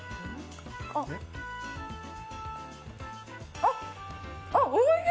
あっ、おいしい。